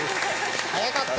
早かった。